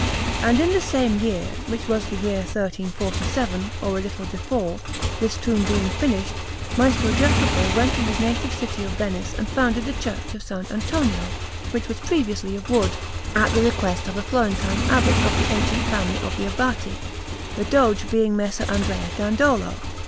And in the same year, which was the year 1347, or a little before, this tomb being finished, Maestro Jacopo went to his native city of Venice and founded the Church of S. Antonio, which was previously of wood, at the request of a Florentine Abbot of the ancient family of the Abati, the Doge being Messer Andrea Dandolo.